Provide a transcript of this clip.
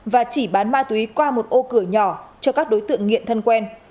và chỉ bán ma túy qua một ô cửa nhỏ cho các đối tượng nghiện thân quen